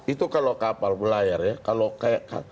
itu kalau kapal pelayar ya kalau kayak